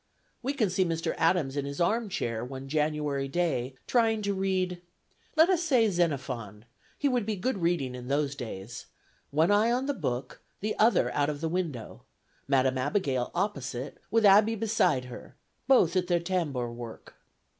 We can see Mr. Adams in his arm chair, one January day, trying to read let us say Xenophon! he would be good reading in those days one eye on the book, the other out of window: Madam Abigail opposite, with Abby beside her, both at their tambour work.